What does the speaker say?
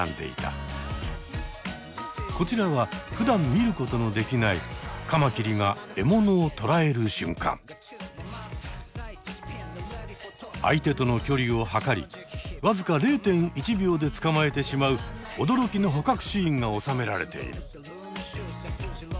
こちらはふだん見ることのできない相手との距離を測りわずか０．１秒で捕まえてしまう驚きの捕獲シーンがおさめられている。